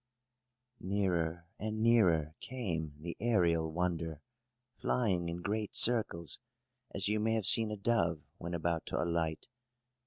Nearer and nearer came the aërial wonder, flying in great circles, as you may have seen a dove when about to alight.